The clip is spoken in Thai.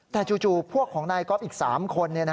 แต่จู่พวกของนายก๊อฟอีก๓คน